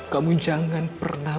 kamu jangan pernah